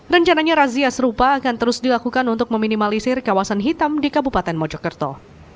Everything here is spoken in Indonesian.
rencananya razia serupa akan terus dilakukan untuk meminimalisir kawasan hitam di kabupaten mojokerto